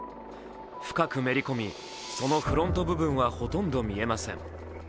深くめり込み、そのフロント部分はほとんど見えません。